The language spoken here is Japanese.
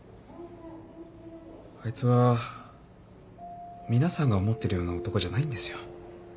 あいつは皆さんが思ってるような男じゃないんですよ。